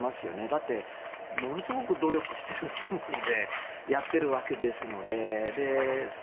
だってものすごく努力してるつもりでやっているわけですので。